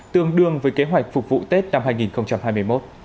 tương đương với kế hoạch phục vụ tết năm hai nghìn hai mươi một